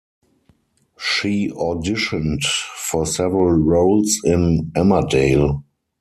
She auditioned for several roles in "Emmerdale".